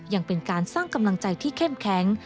ยังเป็นการสร้างกำลังใจที่เข้มแข็ง